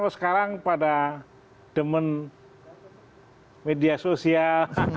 sekarang pada demen media sosial